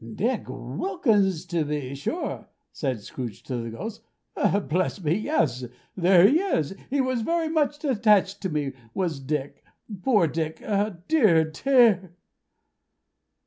"Dick Wilkins, to be sure!" said Scrooge to the Ghost. "Bless me, yes. There he is. He was very much attached to me, was Dick. Poor Dick! Dear, dear!"